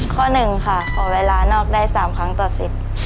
ข้อหนึ่งค่ะขอเวลานอกได้๓ครั้งต่อสิทธิ์